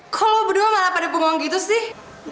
kalo lo berdua malah pada bengong gitu sih